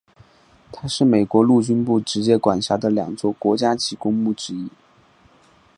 它是美国陆军部直接管辖的两座国家级公墓之一。